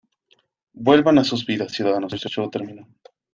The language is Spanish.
Vuelvan a sus vidas, ciudadanos. El show terminó .